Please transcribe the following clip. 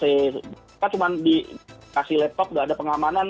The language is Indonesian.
mereka cuma dikasih laptop gak ada pengamanan